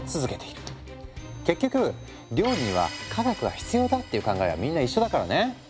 結局料理には科学が必要だっていう考えはみんな一緒だからね。